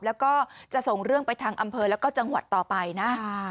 แล้วก็จะส่งเรื่องไปทางอำเภอแล้วก็จังหวัดต่อไปนะ